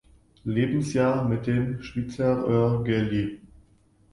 Lebensjahr mit dem Schwyzerörgeli.